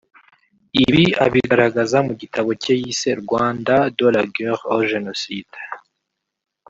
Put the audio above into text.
Ibi abigaragaza mu gitabo cye yise « Rwanda de la guerre au génocide